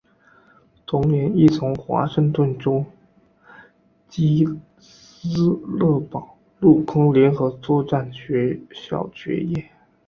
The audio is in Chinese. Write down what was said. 同年亦从华盛顿州基斯勒堡陆空联合作战学校结业。